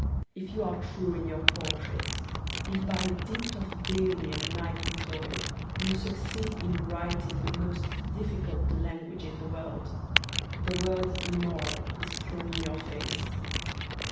If you are true in your portraits, if, by dint of daily and nightly toil, you succeed in writing the most difficult language in the world, the word immoral is thrown in your face.'